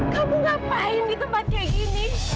kamu ngapain di tempat kayak gini